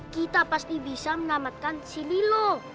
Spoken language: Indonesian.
kita pasti bisa menamatkan si lilo